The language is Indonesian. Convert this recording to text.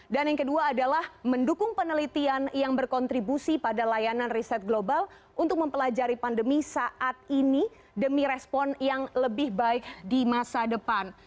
dan yang kedua adalah mendukung penelitian yang berkontribusi pada layanan riset global untuk mempelajari pandemi saat ini demi respon yang lebih baik di masa depan